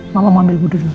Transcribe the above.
mama mau ambil budu dulu